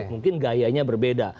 mungkin gayanya berbeda